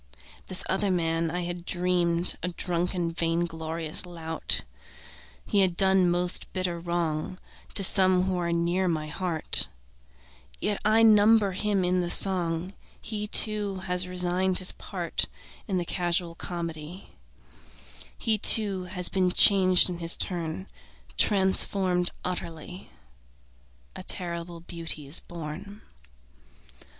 This other man I had dreamed A drunken, vain glorious lout. He had done most bitter wrong To some who are near my heart, Yet I number him in the song; He, too, has resigned his part In the casual comedy; He, too, has been changed in his turn, Transformed utterly: A terrible beauty is born.